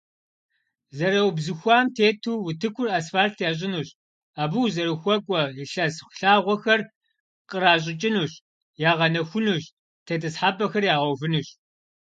Зэраубзыхуам тету утыкур асфальт ящӀынущ, абы узэрыхуэкӀуэ лъэс лъагъуэхэр къращӀыкӀынущ, ягъэнэхунущ, тетӀысхьэпӀэхэр ягъэувынущ.